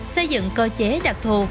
xây dựng cơ chế đặc thù